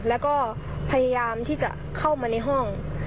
แล้วก็พยายามที่จะเข้ามาในห้อง